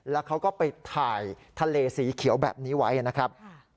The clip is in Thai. แล้วเขาก็ไปถ่ายทะเลสีเขียวแบบนี้ไว้นะครับ